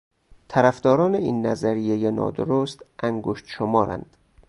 طرفداران این نظریهُ نادرست انگشت شمار اند.